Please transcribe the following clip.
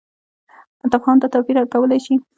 تفاهم دا توپیر حل کولی شي.